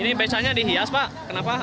ini becanya dihias pak kenapa